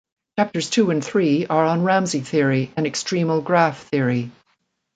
Chapters two and three are on Ramsey theory and extremal graph theory.